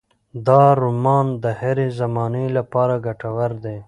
دا رومان د هرې زمانې لپاره ګټور دی.